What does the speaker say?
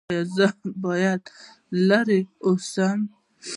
ایا زه باید لرې اوسم؟